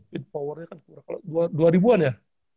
with power nya kan kalau dua ribu an ya